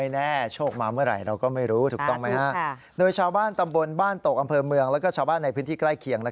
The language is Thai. น่าจะไม่ได้รำแหละชีวิตนี้